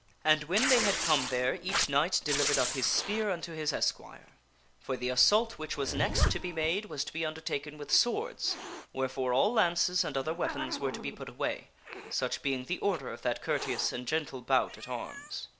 And when they had come there, each knight delivered up his spear unto his esquire. For the assault which was next to be made was to be under taken with swords, wherefore all lances and other weapons were to be put away ; such being the order of that courteous and gentle bout at arms.